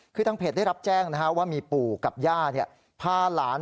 คือทางเพจได้รับแจ้งว่ามีปู่กับย่าพาหลาน